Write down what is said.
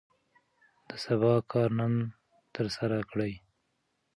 د سبا کار نن ترسره کړئ.